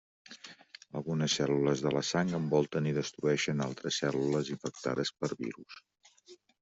Algunes cèl·lules de la sang envolten i destrueixen altres cèl·lules infectades per virus.